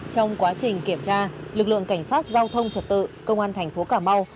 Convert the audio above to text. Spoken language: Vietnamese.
trong quá trình kiểm tra lực lượng cảnh sát giao thông trật tự công an thành phố cà mau